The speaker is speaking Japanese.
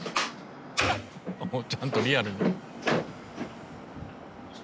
あっもうちゃんとリアルに。